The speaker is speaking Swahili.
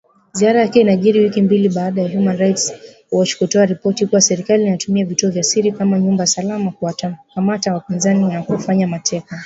Ziara yake inajiri wiki mbili, baada ya Human Rights Watch kutoa ripoti kuwa serikali inatumia vituo vya siri kama nyumba salama kuwakamata wapinzani na kuwafanya mateka